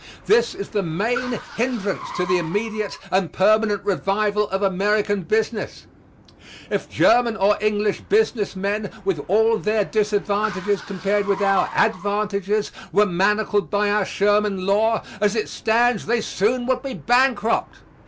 This is the main hindrance to the immediate and permanent revival of American business. If German or English business men, with all their disadvantages compared with our advantages, were manacled by our Sherman law, as it stands, they soon would be bankrupt.